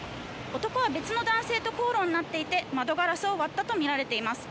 男は別の男性と口論になっていて窓ガラスを割ったとみられています。